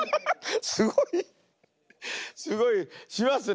すごいすごいしますね。